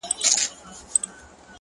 اې ښكلي پاچا سومه چي ستا سومه،